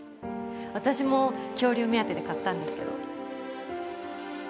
私も恐竜目当てで買ったんですけど。